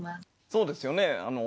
そうですよね。